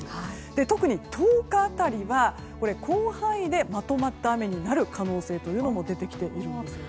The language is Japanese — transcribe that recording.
特に１０日辺りは広範囲でまとまった雨になる可能性が出てきているんですよね。